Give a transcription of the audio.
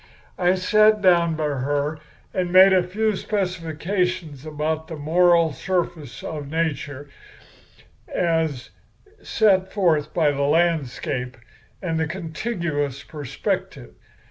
"I sat down by her and made a few specifications about the moral surface of nature as set forth by the landscape and the contiguous perspective.